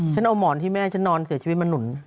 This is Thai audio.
ฉันเอาหมอนที่แม่ฉันนอนเสียชีวิตมาหนุน